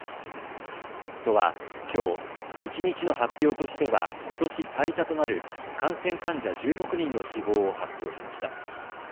都は、きょう一日の発表としてはことし最多となる感染患者１６人の死亡を発表しました。